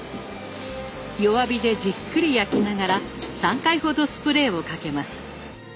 弱火でじっくり焼きながら３回ほどスプレーをかけます。